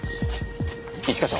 一課長。